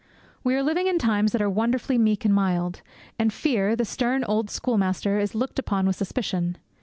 We are living in times that are wonderfully meek and mild; and Fear, the stern old schoolmaster, is looked upon with suspicion.